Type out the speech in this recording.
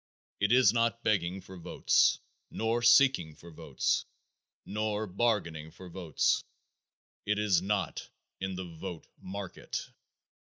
It is not begging for votes, nor seeking for votes, nor bargaining for votes. It is not in the vote market.